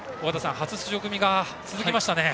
初出場組が続きましたね。